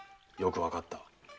よくわかった。